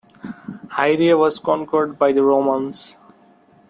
Hyria was conquered by the Romans.